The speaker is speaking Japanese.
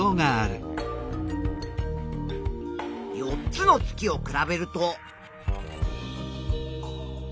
４つの月を比べると。